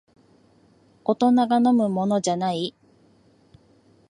大人が飲むものじゃない